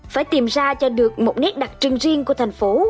phải tìm ra cho được một nét đặc trưng riêng của thành phố